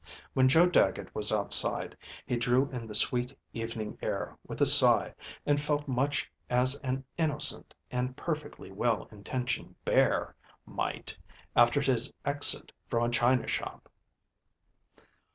When Joe Dagget was outside he drew in the sweet evening air with a sigh, and felt much as an innocent and perfectly well intentioned bear might after his exit from a china shop.